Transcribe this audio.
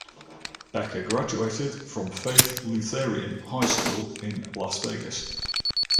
Becker graduated from Faith Lutheran High School in Las Vegas.